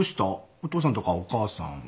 お父さんとかお母さんは？